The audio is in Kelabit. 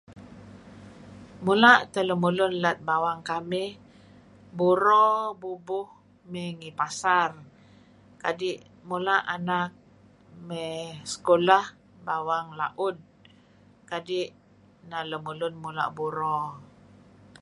Mula' teh lemulun let bawang kamih buro bubuh mey ngi pasar kadi' mula' anak mey sekulah bawang la'ud kadi' neh lemulun mula' buro .